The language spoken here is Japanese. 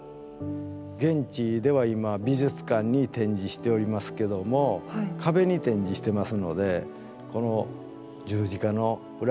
現地では今美術館に展示しておりますけども壁に展示してますので